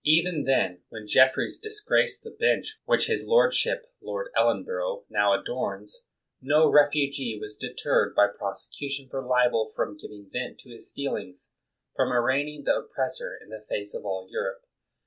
Even then, when Jeffreys disgraced the bench which his lord ship [Lord Ellenborough] now adorns, no ref ugee was deterred by prosecution for libel from giving vent to his feelings, from arraigning the oppressor in the face of all Europe.